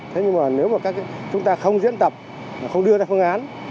thế nhưng mà nếu mà chúng ta không diễn tập không đưa ra phương án